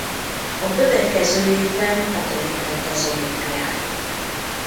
A következő évben hatodik lett az olimpián.